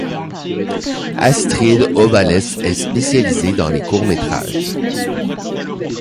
Astrid Ovalles est spécialisée dans les courts métrages.